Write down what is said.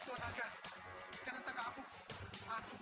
serahkan kerincian itu padaku